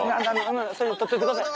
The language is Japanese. それで撮っといてください。